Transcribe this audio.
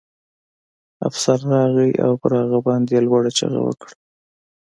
افسر راغی او په هغه باندې یې لوړه چیغه وکړه